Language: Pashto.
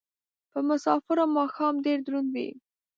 په مسافرو ماښام ډېر دروند وي